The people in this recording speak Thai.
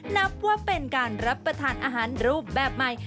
นับว่าเป็นการรับประทานอาหารรูปแบบใหม่